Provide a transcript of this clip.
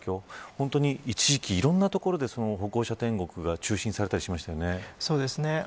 本当に一時期いろんな所で歩行者天国が中止されたりしましたね。